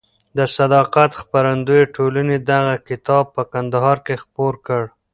د صداقت خپرندویه ټولنې دغه کتاب په کندهار کې خپور کړ.